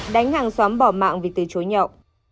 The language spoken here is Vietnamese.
đánh hàng xóm bỏ mạng vì từ chối nhậu